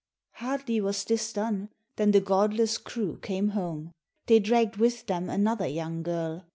Hardly was this done, than the godless crew came home. They dragged with them another young girl.